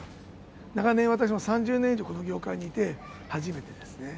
長年、私も３０年以上この業界にいて、初めてですね。